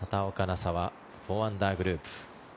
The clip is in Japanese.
紗は４アンダーグループ。